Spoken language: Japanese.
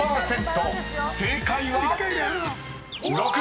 ［正解は⁉］